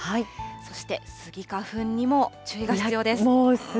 そして、スギ花粉にも注意が必要です。